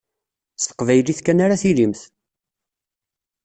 S teqbaylit kan ara tilimt.